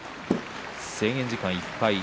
制限時間いっぱい。